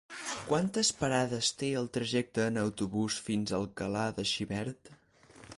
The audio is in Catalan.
Quantes parades té el trajecte en autobús fins a Alcalà de Xivert?